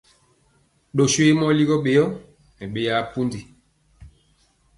Doswe mɔ ligɔ ɓeyɔ nɛ ɓeyaa pundi.